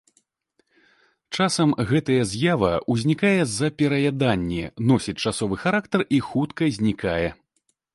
Часам гэта з'ява ўзнікае з-за пераяданні, носіць часовы характар і хутка знікае.